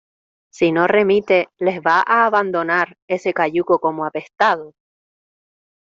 ¿ si no remite les va a abandonar ese cayuco como apestados?